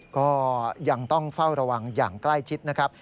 ก็ยังต้องเฝ้าระวังอย่างใกล้ชิดนะครับ